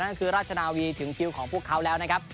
นั่นคือราชนาวีถึงคิวของพวกเขาแล้วนะครับ